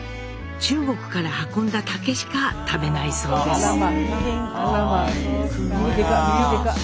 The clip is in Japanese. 中国から運んだ竹しか食べないそうです。